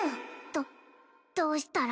どっどうしたら